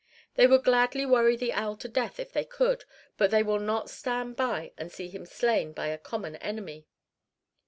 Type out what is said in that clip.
They would gladly worry the owl to death if they could, but they will not stand by and see him slain by a common enemy.